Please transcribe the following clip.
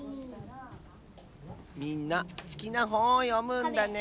みんなすきなほんをよむんだね。